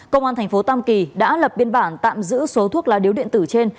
công an tp tam kỳ đã lập biên bản tạm giữ số thuốc lá điếu điện tử trên